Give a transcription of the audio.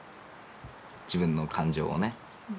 自分の感情をね。